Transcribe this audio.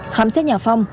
khám xét nhà phong